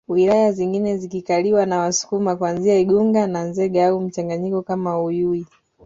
wilaya zingine zikikaliwa na Wasukuma kuanzia Igunga na Nzega au mchanganyiko kama Uyui